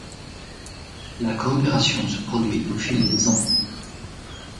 La coopération se poursuit au fil des ans.